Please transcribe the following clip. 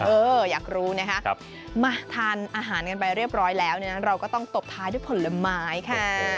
อยากรู้นะคะมาทานอาหารกันไปเรียบร้อยแล้วเราก็ต้องตบท้ายด้วยผลไม้ค่ะ